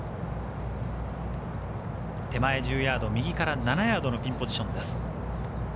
手前１０ヤード、右から７ヤードのピンポジションです。